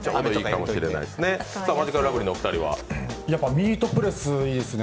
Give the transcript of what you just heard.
ミートプレスいいですね。